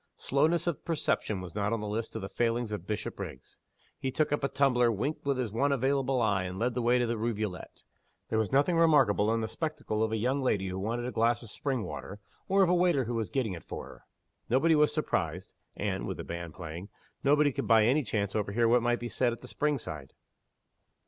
Slowness of perception was not on the list of the failings of Bishopriggs. He took up a tumbler, winked with his one available eye, and led the way to the rivulet. There was nothing remarkable in the spectacle of a young lady who wanted a glass of spring water, or of a waiter who was getting it for her. Nobody was surprised; and (with the band playing) nobody could by any chance overhear what might be said at the spring side.